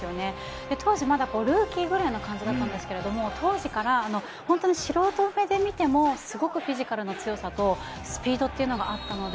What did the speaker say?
当時ルーキーくらいの感じだったんですが素人目で見てもすごくフィジカルの強さとスピードがあったので。